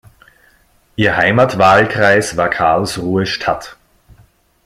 Ihr Heimatwahlkreis war Karlsruhe-Stadt.